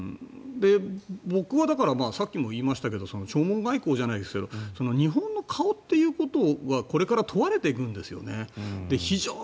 僕はだからさっきも言いましたけど弔問外交じゃないけど日本の顔ということは、これから問われていくんですよね。